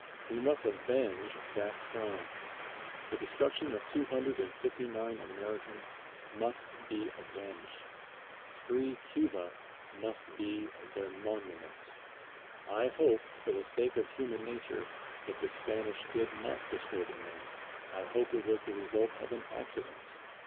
We must avenge that crime. The destruction of two hundred and fifty nine Americans must be avenged. Free Cuba must be their monument. I hope for the sake of human nature that the Spanish did not destroy the Maine. I hope it was the result of an accident.